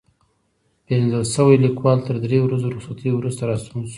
پېژندل شوی لیکوال تر درې ورځو رخصتۍ وروسته راستون شو.